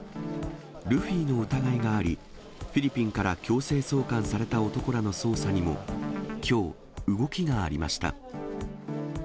ルフィの疑いがあり、フィリピンから強制送還された男らの捜査にもきょう、動きがありました。